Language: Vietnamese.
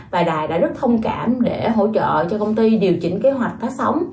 và đài đã rất thông cảm để hỗ trợ cho công ty điều chỉnh kế hoạch phát sóng